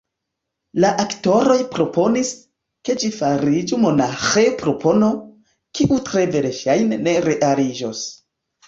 La aktoroj proponis, ke ĝi fariĝu monaĥejo – propono, kiu tre verŝajne ne realiĝos.